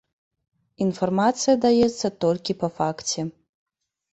Інфармацыя даецца толькі па факце.